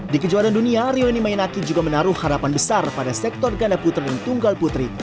di kejuaraan dunia rioni mainaki juga menaruh harapan besar pada sektor ganda putra dan tunggal putri